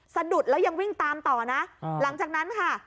สะดุดแล้วยังวิ่งตามต่อนะหลังจากนั้นค่ะ